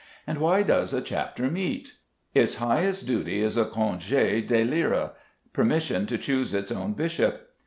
And why does a chapter meet? Its highest duty is a congé d'élire, permission to choose its own bishop.